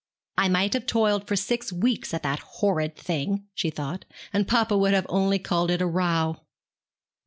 'I might have toiled for six weeks at the horrid thing,' she thought, 'and papa would have only called it a row.'